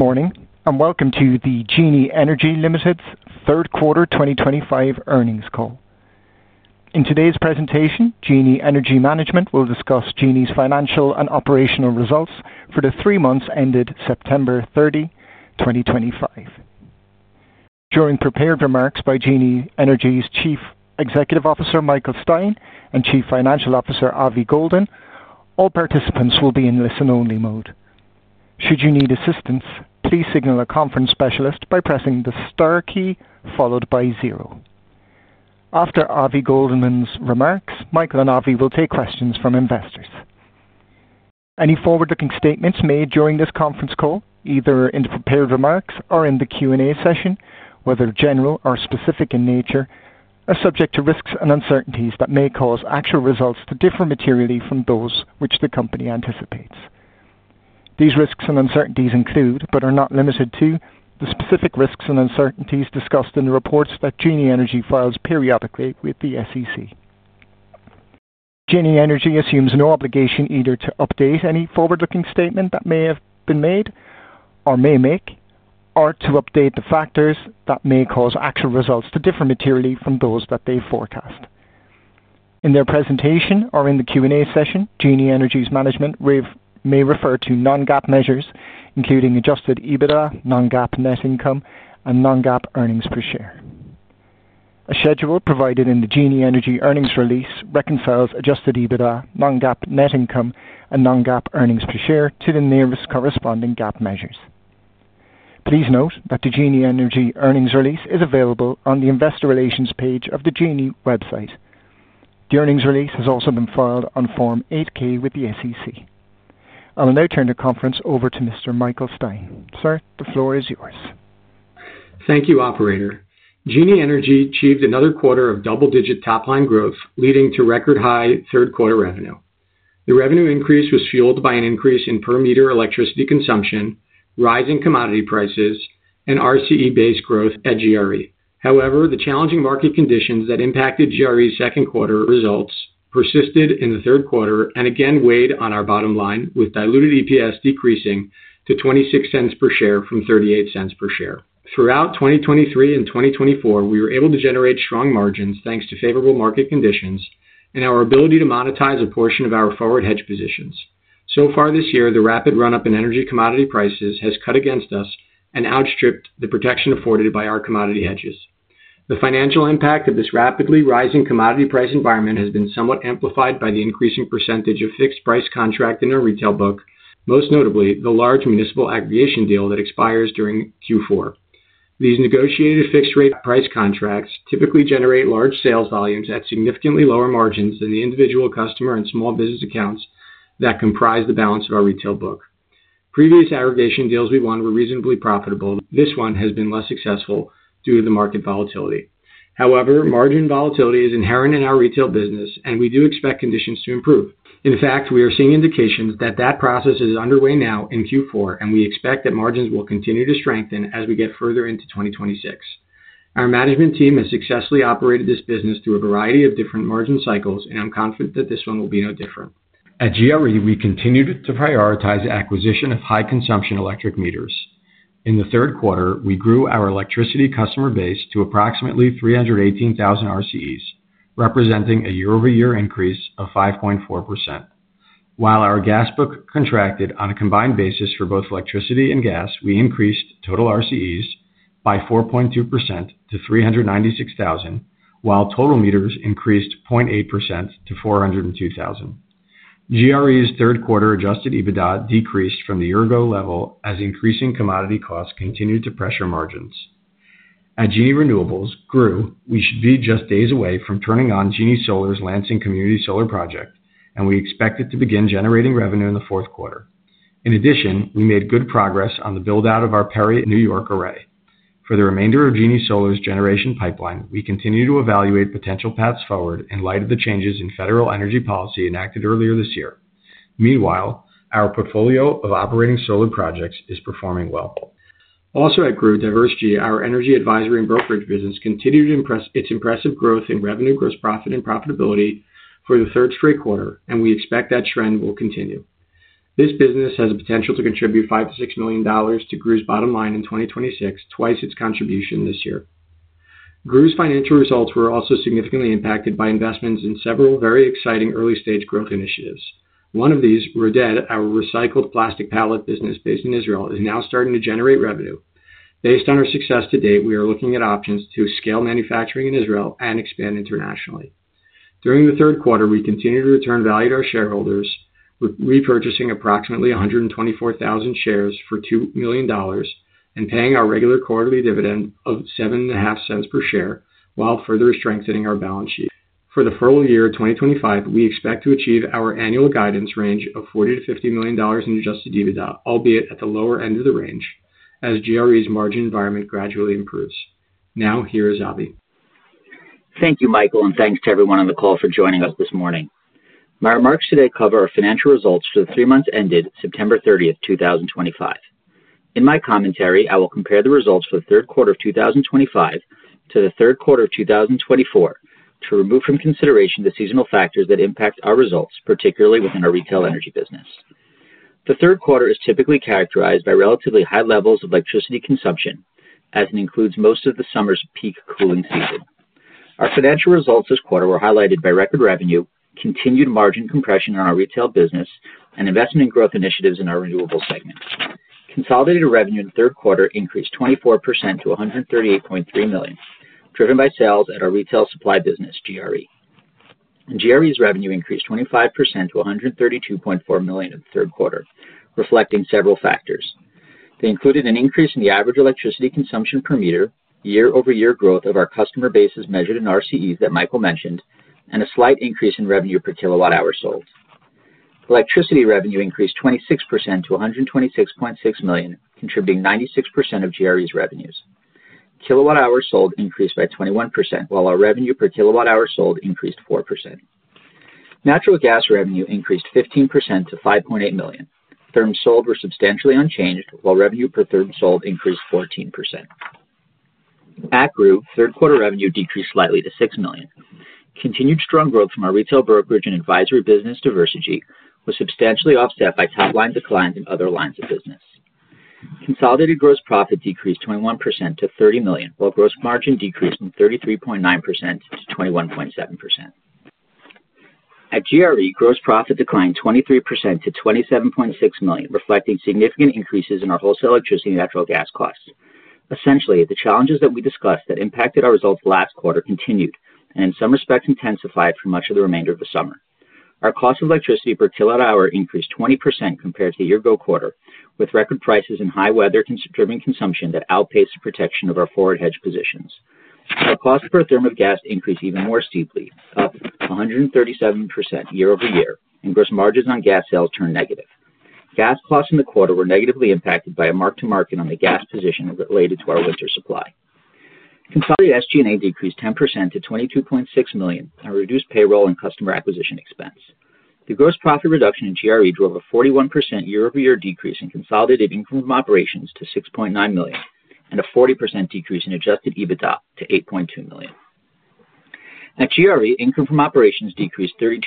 Morning, and welcome to the Genie Energy Limited's third quarter 2025 earnings call. In today's presentation, Genie Energy management will discuss Genie's financial and operational results for the three months ended September 30, 2025. During prepared remarks by Genie Energy's Chief Executive Officer Michael Stein and Chief Financial Officer Avi Goldin, all participants will be in listen-only mode. Should you need assistance, please signal a conference specialist by pressing the star key followed by zero. After Avi Goldin's remarks, Michael and Avi will take questions from investors. Any forward-looking statements made during this conference call, either in the prepared remarks or in the Q&A session, whether general or specific in nature, are subject to risks and uncertainties that may cause actual results to differ materially from those which the company anticipates. These risks and uncertainties include, but are not limited to, the specific risks and uncertainties discussed in the reports that Genie Energy files periodically with the SEC. Genie Energy assumes no obligation either to update any forward-looking statement that may have been made or may make, or to update the factors that may cause actual results to differ materially from those that they forecast. In their presentation or in the Q&A session, Genie Energy's management may refer to non-GAAP measures, including Adjusted EBITDA, non-GAAP net income, and non-GAAP earnings per share. A schedule provided in the Genie Energy earnings release reconciles Adjusted EBITDA, non-GAAP net income, and non-GAAP earnings per share to the nearest corresponding GAAP measures. Please note that the Genie Energy earnings release is available on the investor relations page of the Genie website. The earnings release has also been filed on Form 8-K with the SEC. I will now turn the conference over to Mr. Michael Stein. Sir, the floor is yours. Thank you, Operator. Genie Energy achieved another quarter of double-digit top-line growth, leading to record-high third-quarter revenue. The revenue increase was fueled by an increase in per-meter electricity consumption, rising commodity prices, and RCE-based growth at GRE. However, the challenging market conditions that impacted GRE's second quarter results persisted in the third quarter and again weighed on our bottom line, with diluted EPS decreasing to $0.26 per share from $0.38 per share. Throughout 2023 and 2024, we were able to generate strong margins thanks to favorable market conditions and our ability to monetize a portion of our forward hedge positions. So far this year, the rapid run-up in energy commodity prices has cut against us and outstripped the protection afforded by our commodity hedges. The financial impact of this rapidly rising commodity price environment has been somewhat amplified by the increasing percentage of fixed-price contract in our retail book, most notably the large municipal aggregation deal that expires during Q4. These negotiated fixed-rate price contracts typically generate large sales volumes at significantly lower margins than the individual customer and small business accounts that comprise the balance of our retail book. Previous aggregation deals we won were reasonably profitable. This one has been less successful due to the market volatility. However, margin volatility is inherent in our retail business, and we do expect conditions to improve. In fact, we are seeing indications that that process is underway now in Q4, and we expect that margins will continue to strengthen as we get further into 2026. Our management team has successfully operated this business through a variety of different margin cycles, and I'm confident that this one will be no different. At GRE, we continued to prioritize acquisition of high-consumption electric meters. In the third quarter, we grew our electricity customer base to approximately 318,000 RCEs, representing a year-over-year increase of 5.4%. While our gas book contracted on a combined basis for both electricity and gas, we increased total RCEs by 4.2% to 396,000, while total meters increased 0.8% to 402,000. GRE's third-quarter Adjusted EBITDA decreased from the year-ago level as increasing commodity costs continued to pressure margins. At Genie Renewables, GREW, we should be just days away from turning on Genie Solar's Lansing community solar project, and we expect it to begin generating revenue in the fourth quarter. In addition, we made good progress on the build-out of our Perry, New York array. For the remainder of Genie Solar's generation pipeline, we continue to evaluate potential paths forward in light of the changes in federal energy policy enacted earlier this year. Meanwhile, our portfolio of operating solar projects is performing well. Also, at GREW, Diversegy, our energy advisory and brokerage business continued to impress its impressive growth in revenue, gross profit, and profitability for the third straight quarter, and we expect that trend will continue. This business has the potential to contribute $5 million-$6 million to GREW's bottom line in 2026, twice its contribution this year. GREW's financial results were also significantly impacted by investments in several very exciting early-stage growth initiatives. One of these, Roded, our recycled plastic pallet business based in Israel, is now starting to generate revenue. Based on our success to date, we are looking at options to scale manufacturing in Israel and expand internationally. During the third quarter, we continued to return value to our shareholders, repurchasing approximately 124,000 shares for $2 million. We paid our regular quarterly dividend of $0.075 per share while further strengthening our balance sheet. For the full year 2025, we expect to achieve our annual guidance range of $40 million-$50 million in Adjusted EBITDA, albeit at the lower end of the range, as GRE's margin environment gradually improves. Now, here is Avi. Thank you, Michael, and thanks to everyone on the call for joining us this morning. My remarks today cover our financial results for the three months ended September 30th, 2025. In my commentary, I will compare the results for the third quarter of 2025 to the third quarter of 2024 to remove from consideration the seasonal factors that impact our results, particularly within our retail energy business. The third quarter is typically characterized by relatively high levels of electricity consumption, as it includes most of the summer's peak cooling season. Our financial results this quarter were highlighted by record revenue, continued margin compression in our retail business, and investment and growth initiatives in our renewable segment. Consolidated revenue in the third quarter increased 24% to $138.3 million, driven by sales at our retail supply business, GRE. GRE's revenue increased 25% to $132.4 million in the third quarter, reflecting several factors. They included an increase in the average electricity consumption per year, year-over-year growth of our customer bases measured in RCEs that Michael mentioned, and a slight increase in revenue per kilowatt-hour sold. Electricity revenue increased 26% to $126.6 million, contributing 96% of GRE's revenues. Kilowatt-hours sold increased by 21%, while our revenue per kilowatt-hour sold increased 4%. Natural gas revenue increased 15% to $5.8 million. Therms sold were substantially unchanged, while revenue per therm sold increased 14%. At GREW, third-quarter revenue decreased slightly to $6 million. Continued strong growth from our retail brokerage and advisory business, Diversegy, was substantially offset by top-line declines in other lines of business. Consolidated gross profit decreased 21% to $30 million, while gross margin decreased from 33.9% to 21.7%. At GRE, gross profit declined 23% to $27.6 million, reflecting significant increases in our wholesale electricity and natural gas costs. Essentially, the challenges that we discussed that impacted our results last quarter continued and, in some respects, intensified for much of the remainder of the summer. Our cost of electricity per kilowatt-hour increased 20% compared to the year-ago quarter, with record prices and high weather-driven consumption that outpaced the protection of our forward hedge positions. Our cost per therm of gas increased even more steeply, up 137% year-over-year, and gross margins on gas sales turned negative. Gas costs in the quarter were negatively impacted by a mark-to-market on the gas position related to our winter supply. Consolidated SG&A decreased 10% to $22.6 million and reduced payroll and customer acquisition expense. The gross profit reduction in GRE drove a 41% year-over-year decrease in consolidated income from operations to $6.9 million and a 40% decrease in Adjusted EBITDA to $8.2 million. At GRE, income from operations decreased 32%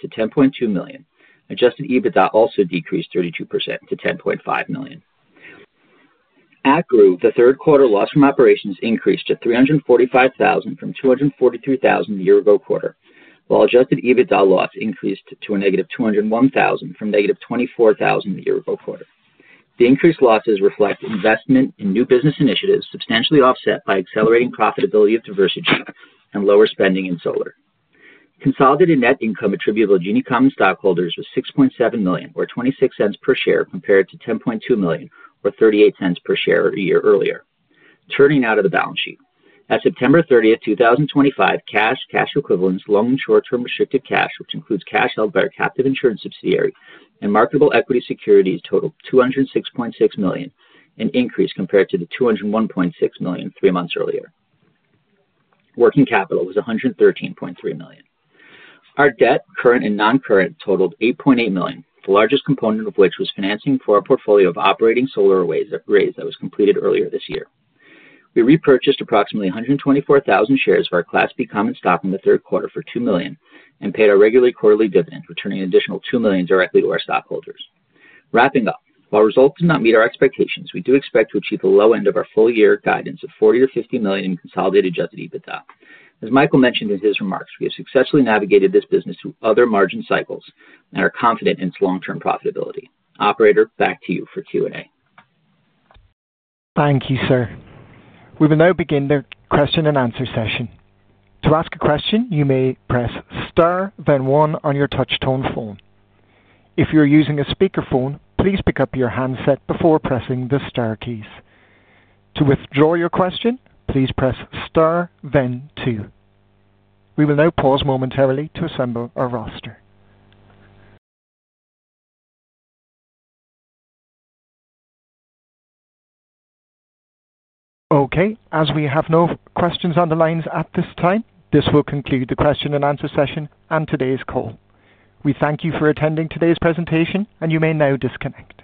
to $10.2 million. Adjusted EBITDA also decreased 32% to $10.5 million. At GREW, the third-quarter loss from operations increased to $345,000 from $243,000 the year-ago quarter, while Adjusted EBITDA loss increased to a negative $201,000 from negative $24,000 the year-ago quarter. The increased losses reflect investment in new business initiatives substantially offset by accelerating profitability of Diversegy and lower spending in solar. Consolidated net income attributable to Genie common stockholders was $6.7 million, or $0.26 per share, compared to $10.2 million, or $0.38 per share a year earlier. Turning now to the balance sheet. At September 30th, 2025, cash, cash equivalents, loan and short-term restricted cash, which includes cash held by our captive insurance subsidiary, and marketable equity securities totaled $206.6 million, an increase compared to the $201.6 million three months earlier. Working capital was $113.3 million. Our debt, current and non-current, totaled $8.8 million, the largest component of which was financing for our portfolio of operating solar arrays that was completed earlier this year. We repurchased approximately 124,000 shares of our Class B common stock in the third quarter for $2 million and paid our regular quarterly dividend, returning an additional $2 million directly to our stockholders. Wrapping up, while results did not meet our expectations, we do expect to achieve the low end of our full-year guidance of $40 million-$50 million in consolidated Adjusted EBITDA. As Michael mentioned in his remarks, we have successfully navigated this business through other margin cycles and are confident in its long-term profitability. Operator, back to you for Q&A. Thank you, sir. We will now begin the question and answer session. To ask a question, you may press star, then one on your touch-tone phone. If you are using a speakerphone, please pick up your handset before pressing the star keys. To withdraw your question, please press star, then two. We will now pause momentarily to assemble our roster. Okay. As we have no questions on the lines at this time, this will conclude the question and answer session and today's call. We thank you for attending today's presentation, and you may now disconnect.